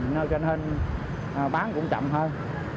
nó cho nên bán cũng chậm hơn